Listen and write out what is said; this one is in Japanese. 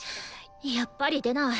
やっぱり出ない。